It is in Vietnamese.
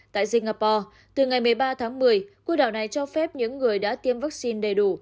tại singapore từ ngày một mươi ba tháng một mươi cô đảo này cho phép những người đã tiêm vaccine đầy đủ